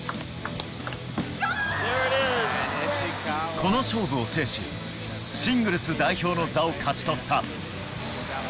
この勝負を制し、シングルス代表の座を勝ち取った。